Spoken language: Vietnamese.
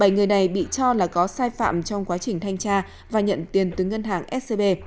bảy người này bị cho là có sai phạm trong quá trình thanh tra và nhận tiền từ ngân hàng scb